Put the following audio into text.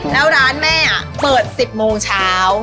แล้วร้านแม่เปิด๑๐โมงเช้า